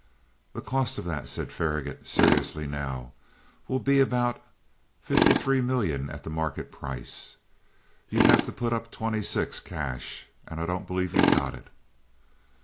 "The cost of that," said Faragaut, seriously now, "will be about fifty three million at the market price. You'd have to put up twenty six cash, and I don't believe you've got it."